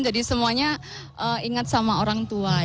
jadi semuanya ingat sama orang tua ya